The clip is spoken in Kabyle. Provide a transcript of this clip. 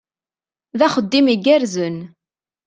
D axeddim igerrzen.